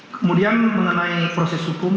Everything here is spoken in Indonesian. kemudian mengenai proses hukum